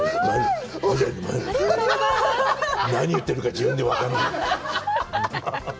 何言ってるか、自分で分からない。